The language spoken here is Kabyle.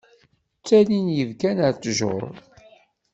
Ttalin yibekkan ar ṭṭjuṛ.